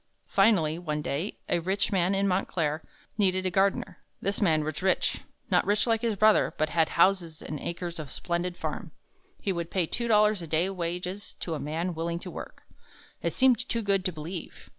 Finally, one day, a rich man in Montclair needed a gardener. This man was rich not rich like his brother but had houses and acres of splendid farm. He would pay two dollars a day wages to a man willing to work. It seemed too good to believe.